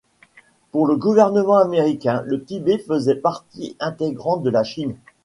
Pour le gouvernement américain, le Tibet faisait partie intégrante de la Chine.